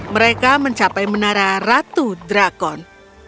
mereka mencapai menara ratu drakon